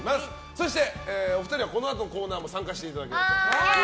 そしてお二人はこのあとのコーナーも参加していただきます。